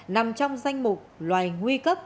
nằm trong danh mục loài nguy cấp